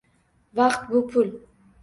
Vaqt bu - pul!